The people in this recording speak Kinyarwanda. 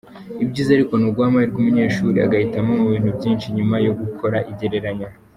Ibyiza ariko ni uguha amahirwe umunyeshuri agahitamo mu bintu byinshi nyuma yo gukora igereranya.